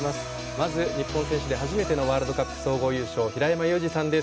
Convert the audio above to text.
まず日本選手で初めてのワールドカップ総合優勝平山ユージさんです。